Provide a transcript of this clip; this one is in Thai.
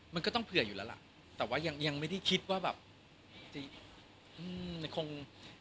มันก็เผื่ออยู่แล้วล่ะแต่ว่ายังไม่ได้คิดว่าคง